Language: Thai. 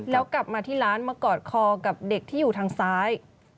แล้วกลับมาที่ร้านมากอดคอกับเด็กที่อยู่ทางซ้าย